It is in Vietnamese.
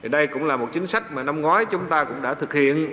đây cũng là một chính sách mà năm ngoái chúng ta cũng đã thực hiện